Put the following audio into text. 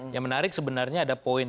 yang menarik sebenarnya ada poin